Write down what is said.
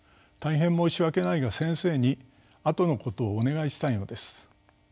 大変申し訳ないが先生にあとのことをお願いしたいのです」。